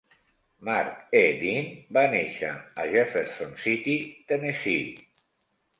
Mark E. Dean va néixer a Jefferson City, Tennessee.